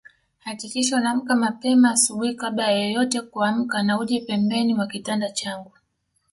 Hakikisha unaamka mapema asubuhi kabla ya yeyote kuamka na uje pembeni mwa kitanda changu